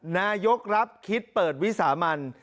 นายกรับคิดเปิดวิสามัน